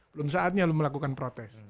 belum saatnya lo melakukan protes